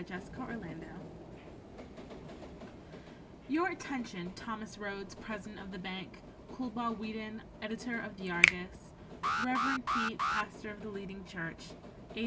Kinsey Keene Your attention, Thomas Rhodes, president of the bank; Coolbaugh Whedon, editor of the Argus; Rev. Peet, pastor of the leading church; A.